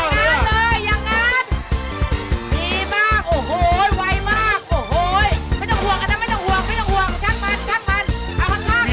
เร็ว